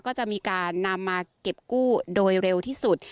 ก็จะมีการนำมาเก็บกู้โดยเร็วที่สุด